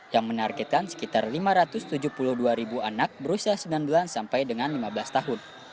yang menargetkan sekitar lima ratus tujuh puluh dua ribu anak berusia sembilan belas sampai dengan lima belas tahun